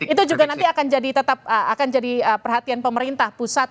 itu juga nanti akan tetap akan jadi perhatian pemerintah pusat